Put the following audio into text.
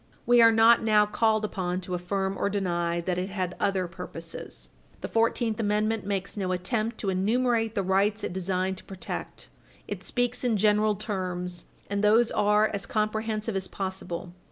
We are not now called upon to affirm or deny that it had other purposes. The Fourteenth Amendment makes no attempt to enumerate the rights it designed to protect. It speaks in general terms, and those are as comprehensive as possible.